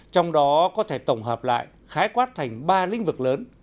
trong đó có thể tổng hợp lại khái quát thành ba lĩnh vực lớn